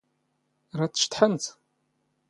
ⵔⴰⴷ ⵜⵛⵟⵃⵎⵜ.